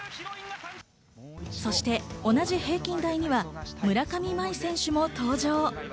そして同じ平均台には村上茉愛選手も登場。